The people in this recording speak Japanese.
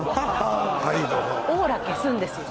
オーラ消すんですよ。